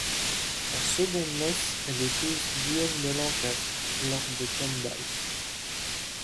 En secondes noces, elle épouse Guillaume de Lancastre, lord de Kendal.